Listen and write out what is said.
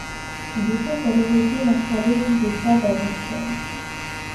Il était à l'origine installé rue des Sables à Bruxelles.